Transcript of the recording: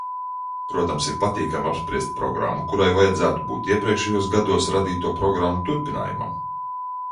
Protams, ir patīkami apspriest programmu, kurai vajadzētu būt iepriekšējos gados radīto programmu turpinājumam.